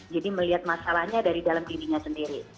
jadi melihat masalahnya dari dalam dirinya sendiri